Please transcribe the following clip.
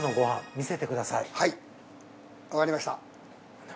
はいわかりました。